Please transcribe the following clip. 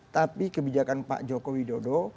tapi kebijakan pak joko widodo